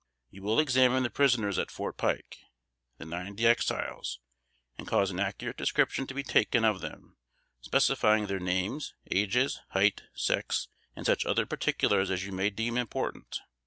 "You will examine the prisoners at 'Fort Pike,' (the ninety Exiles,) and cause an accurate description to be taken of them, specifying their names, ages, height, sex, and such other particulars as you may deem important.